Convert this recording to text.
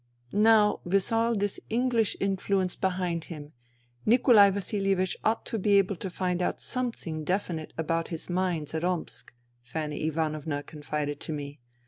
" Now with all this English influence behind him Nikolai Vasilievich ought to be able to find out something definite about his mines at Omsk," Fanny Ivanovna confided to me.